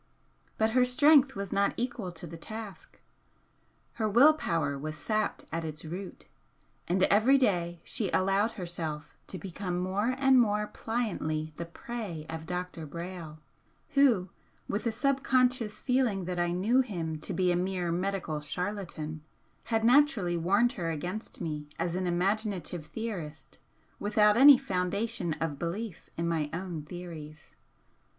But her strength was not equal to the task, her will power was sapped at its root, and every day she allowed herself to become more and more pliantly the prey of Dr. Brayle, who, with a subconscious feeling that I knew him to be a mere medical charlatan, had naturally warned her against me as an imaginative theorist without any foundation of belief in my own theories.